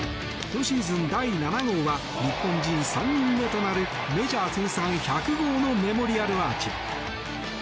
今シーズン第７号は日本人３人目となるメジャー通算１００号のメモリアルアーチ。